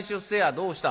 「どうした？」。